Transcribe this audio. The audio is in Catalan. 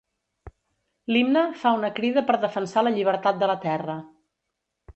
L'himne fa una crida per defensar la llibertat de la terra.